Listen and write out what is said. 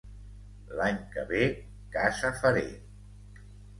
L'any que ve, casa faré.